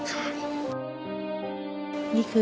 ผมคิดว่าสงสารแกครับ